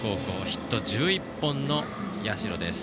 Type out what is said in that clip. ヒット１１本の社です。